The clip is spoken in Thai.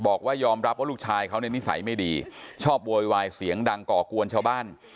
บอกว่ายอมรับว่าลูกชายเขาเนี่ยนิสัยไม่ดีชอบโวยวายเสียงดังก่อกวนชาวบ้าน